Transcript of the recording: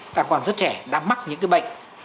đã còn rất trẻ đã mắc những cái bệnh